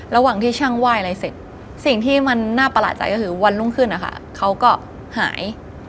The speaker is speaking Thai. ระหว่างที่ช่างไหว้อะไรเสร็จสิ่งที่มันน่าประหลาดใจก็คือวันรุ่งขึ้นนะคะเขาก็หาย